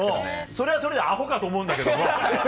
それはそれでアホかと思うんだけども。